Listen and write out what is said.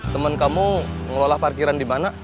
temen kamu ngelola parkiran di mana